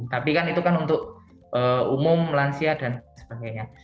tapi kan itu kan untuk umum lansia dan sebagainya